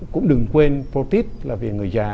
cũng đừng quên protein là vì người già